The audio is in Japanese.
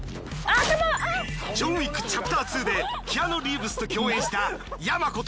『ジョン・ウィック：チャプター２』でキアヌ・リーブスと共演したＹＡＭＡこと